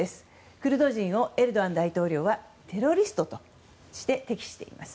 クルド人をエルドアン大統領はテロリストとして敵視しています。